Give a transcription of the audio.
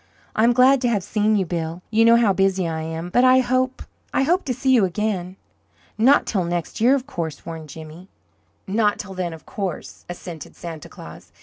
"I'm glad to have seen you, Bill. You know how busy I am, but I hope I hope to see you again." "Not till next year, of course," warned Jimmy. "Not till then, of course," assented Santa Claus.